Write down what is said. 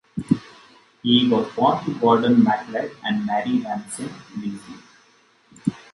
He was born to Gordon Macleod and Mary Ramsay Leslie.